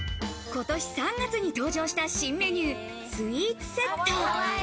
今年３月に登場した新メニュー、スウィーツセット。